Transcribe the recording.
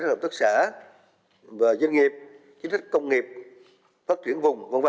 đồng tất xã và doanh nghiệp chính trách công nghiệp phát triển vùng v v